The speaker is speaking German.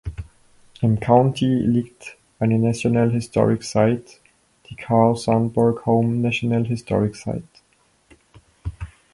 Im County liegt eine National Historic Site, die Carl Sandburg Home National Historic Site.